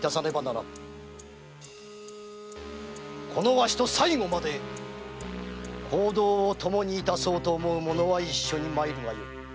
わしと最後まで行動を共に致そうと思う者は一緒に参るがよい。